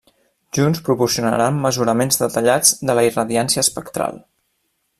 Junts proporcionaran mesuraments detallats de la irradiància espectral.